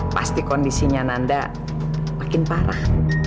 pasti kondisinya nanda makin parah